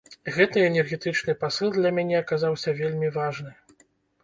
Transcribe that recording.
Гэты энергетычны пасыл для мяне аказаўся вельмі важны.